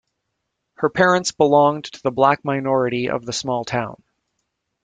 Her parents belonged to the black minority of the small town.